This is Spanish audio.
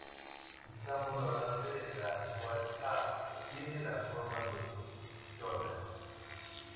Buscamos la base en la cual "A" tiene la forma de Jordan.